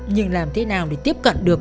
nhưng làm thế nào để tiếp cận được